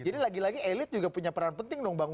jadi lagi lagi elit juga punya peran penting dong bang